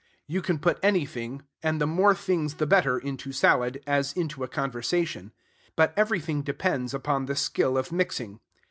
You can put anything, and the more things the better, into salad, as into a conversation; but everything depends upon the skill of mixing.